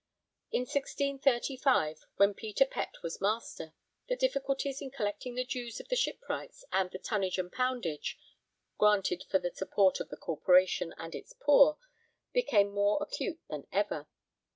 In 1635, when Peter Pett was Master, the difficulties of collecting the dues of the shipwrights and the 'tonnage and poundage' granted for the support of the Corporation and its poor, became more acute than ever.